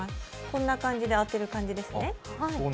こんな感じに当てる感じですね。